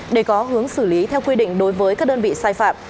để có hướng xử lý theo quy định đối với các đơn vị sai phạm